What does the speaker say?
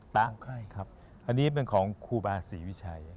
ใครครับอันนี้เป็นของครูบาศรีวิชัย